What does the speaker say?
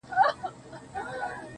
ځم د روح په هر رگ کي خندا کومه~